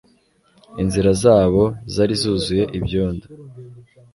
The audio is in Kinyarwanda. Inzira zabo zari zuzuye ibyondo